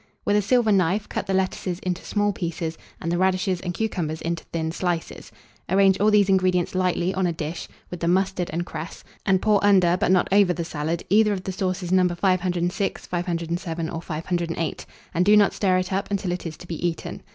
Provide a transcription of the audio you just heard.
With a silver knife, cut the lettuces into small pieces, and the radishes and cucumbers into thin slices; arrange all these ingredients lightly on a dish, with the mustard and cress, and pour under, but not over the salad, either of the sauces No. 506, 507, or 508, and do not stir it up until it is to be eaten.